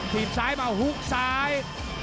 บซ้ายมาฮุกซ้าย